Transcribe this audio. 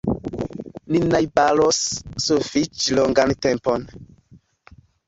Ni najbaros sufiĉe longan tempon.